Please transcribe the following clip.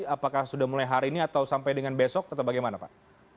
apakah sudah mulai hari ini atau sampai dengan besok atau bagaimana pak